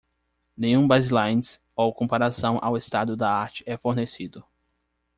Nenhum baselines ou comparação ao estado da arte é fornecido.